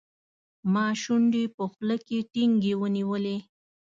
ما شونډې په خوله کې ټینګې ونیولې.